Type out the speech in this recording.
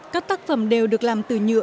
các tác phẩm đều được làm từ nhựa